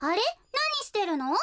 なにしてるの？